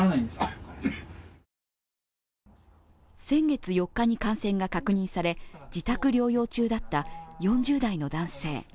先月４日に感染が確認され自宅療養中だった４０代の男性。